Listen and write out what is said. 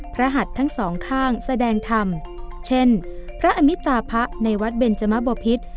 หัดทั้งสองข้างแสดงธรรมเช่นพระอมิตาพระในวัดเบนจมบพิษ